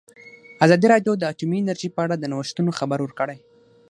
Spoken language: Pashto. ازادي راډیو د اټومي انرژي په اړه د نوښتونو خبر ورکړی.